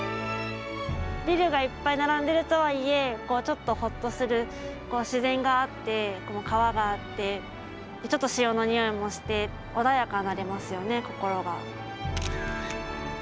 ビルがいっぱい並んでるとはいえちょっとほっとする自然があって川があってちょっと潮のにおいもして穏やかになりますよね、心が。